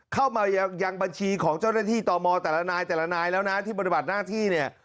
เข้ามายังบัญชีของเจ้าหน้าที่ต่อมอแต่ละนายแต่ละนายแล้วนะที่ปฏิบัติหน้าที่เนี่ย